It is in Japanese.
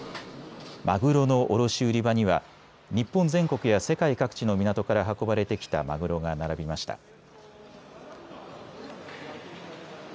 マグロの卸売り場には日本全国や世界各地の港から運ばれてきたマグロが並びました。